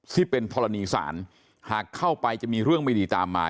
ที่เป็นธรณีศาลหากเข้าไปจะมีเรื่องไม่ดีตามมา